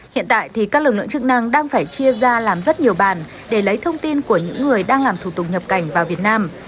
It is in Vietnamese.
hiện tại thì các lực lượng chức năng đang phải chia ra làm rất nhiều bàn để lấy thông tin của những người đang làm thủ tục nhập cảnh vào việt nam